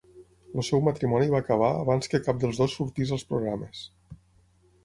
El seu matrimoni va acabar abans que cap dels dos sortís als programes.